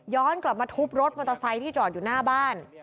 กลับมาทุบรถมอเตอร์ไซค์ที่จอดอยู่หน้าบ้าน